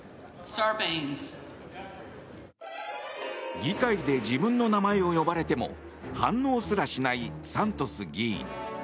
議会で自分の名前を呼ばれても反応すらしないサントス議員。